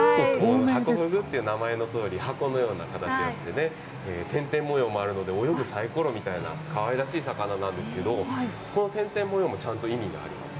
ハコフグという名前のとおり、箱のような形をしてね、点々模様もあるので、泳ぐサイコロみたいな、かわいらしい魚なんですけども、この点々模様もちゃんと意味があります。